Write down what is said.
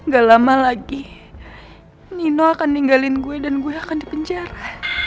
gak lama lagi nino akan ninggalin gue dan gue akan dipenjara